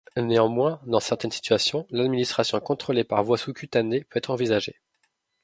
Néanmoins, dans certaines situations, l'administration contrôlée par voie sous-cutanée, peut être envisagée.